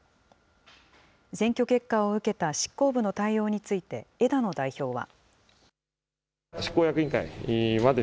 選挙結果を受けた執行部の対応について、枝野代表は。